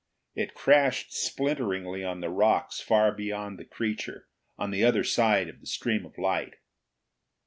It crashed splinteringly on the rocks far beyond the creature, on the other side of the stream of light.